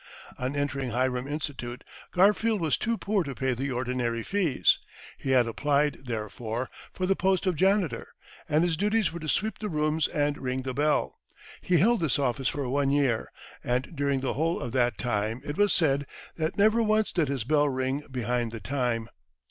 On entering Hiram Institute, Garfield was too poor to pay the ordinary fees. He had applied, therefore, for the post of janitor, and his duties were to sweep the rooms and ring the bell. He held this office for one year, and during the whole of that time it was said that never once did his bell ring behind the time.